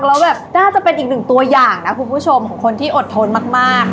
แล้วแบบน่าจะเป็นอีกหนึ่งตัวอย่างนะคุณผู้ชมของคนที่อดทนมาก